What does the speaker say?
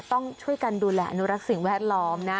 ต้องช่วยกันดูแลอนุรักษ์สิ่งแวดล้อมนะ